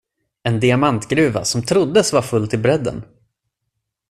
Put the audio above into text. En diamantgruva, som troddes vara full till brädden.